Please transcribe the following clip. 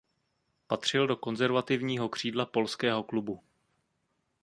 Patřil do konzervativního křídla Polského klubu.